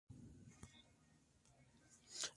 Actualmente, sobre la Avenida Gral.